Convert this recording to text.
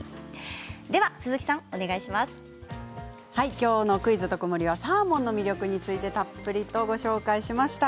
きょうの「クイズとくもり」はサーモンの魅力についてたっぷりとご紹介しました。